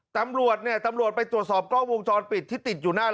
ตำรวจเนี่ยตำรวจไปตรวจสอบกล้องวงจรปิดที่ติดอยู่หน้าร้าน